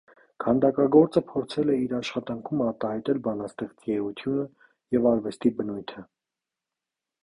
Քանդակագործը փորձել է իր աշխատանքում արտահայտել բանաստեղծի էությունը և արվեստի բնույթը։